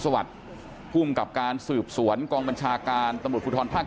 สวัสดีภูมิกับการสืบสวนกองบัญชาการตำรวจภูทรภาค